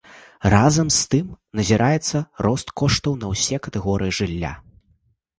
Разам з тым, назіраецца рост коштаў на ўсе катэгорыі жылля.